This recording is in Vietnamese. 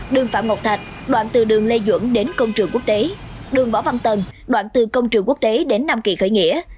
đường phạm ngọc thạch đoạn từ đường lê duẩn đến công trường quốc tế đường võ văn tần đoạn từ công trường quốc tế đến nam kỳ khởi nghĩa